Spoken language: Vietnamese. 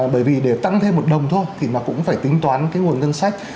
bởi vì để tăng thêm một đồng thôi thì nó cũng phải tính toán nguồn ngân sách